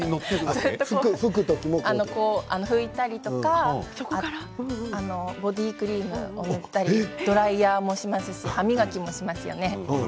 拭いたりとかボディークリームを塗ったりドライヤーもするし歯磨きをしますよね。